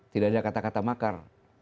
tidak ada kata kata makar